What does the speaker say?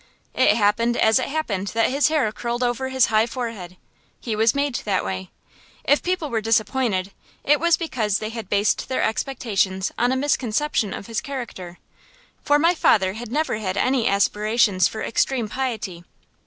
It happened as it happened that his hair curled over his high forehead: he was made that way. If people were disappointed, it was because they had based their expectations on a misconception of his character, for my father had never had any aspirations for extreme piety.